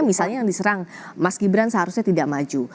misalnya yang diserang mas gibran seharusnya tidak maju